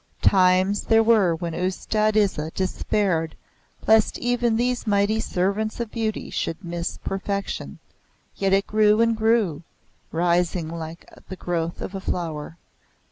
Times there were when Ustad Isa despaired lest even these mighty servants of beauty should miss perfection. Yet it grew and grew, rising like the growth of a flower.